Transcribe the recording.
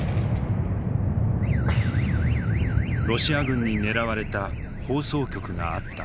ロシア軍に狙われた放送局があった。